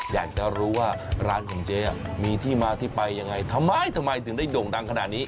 อยากจะรู้ว่าร้านของเจ๊มีที่มาที่ไปยังไงทำไมทำไมถึงได้โด่งดังขนาดนี้